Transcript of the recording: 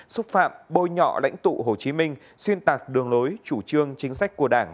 xúc phạm bôi nhọ lãnh tụ hồ chí minh xuyên tạc đường lối chủ trương chính sách của đảng